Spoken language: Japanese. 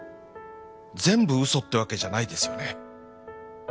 全部嘘ってわけじゃないですよね？